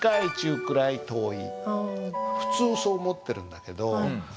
普通そう思ってるんだけど。